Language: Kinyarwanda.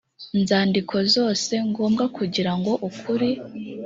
nzandiko zose za ngombwa kugira ngo ukuri